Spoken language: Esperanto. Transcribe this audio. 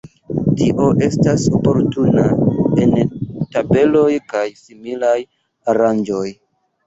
Tio estas oportuna en tabeloj kaj similaj aranĝoj.